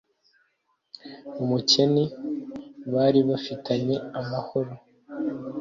umukeni bari bafitanye amahoro